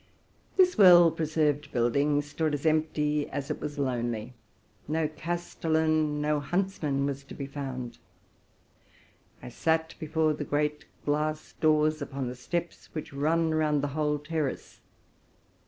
This well preserved building stood as empty as it was lonely: no castellan, né huntsman, was to be found. I sat before the great glass doors upon the steps which run around the whole terrace.